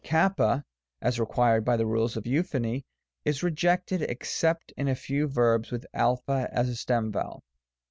Ill as required by the rules of euphony, is rejected, except in a few verbs with a as a stem vowel.